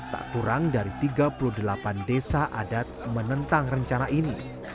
tak kurang dari tiga puluh delapan desa adat menentang rencana ini